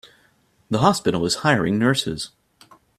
The hospital is hiring nurses.